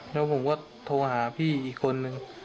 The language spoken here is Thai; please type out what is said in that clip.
แล้วผมก็โทรหาพี่อีกคนนึง